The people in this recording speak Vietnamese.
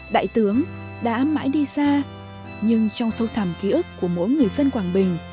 đại tướng đã mãi đi xa nhưng trong sâu thẳm ký ức của mỗi người dân quảng bình